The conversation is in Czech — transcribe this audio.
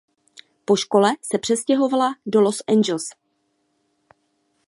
Po škole se přestěhoval do Los Angeles.